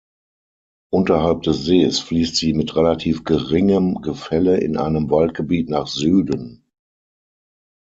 Unterhalb des Sees fließt sie mit relativ geringem Gefälle in einem Waldgebiet nach Süden.